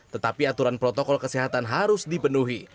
tetapi aturan protokol kesehatan harus dipenuhi